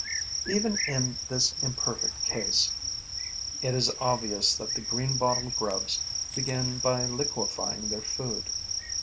Even in this imperfect case, it is obvious that the greenbottle grubs begin by liquefying their food.